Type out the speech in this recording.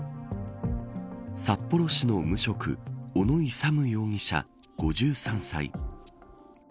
札幌市の無職小野勇容疑者５３歳。